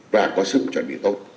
và có sức chuẩn bị tốt